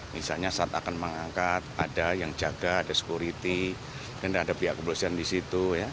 misalnya saat akan mengangkat ada yang jaga ada security dan ada pihak kepolisian di situ